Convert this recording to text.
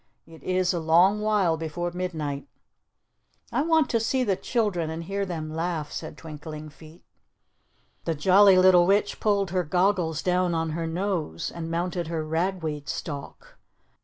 It is a long while before midnight." "I want to see the children, and hear them laugh," said Twinkling Feet. The Jolly Little Witch pulled her goggles down on her nose, and mounted her ragweed stalk.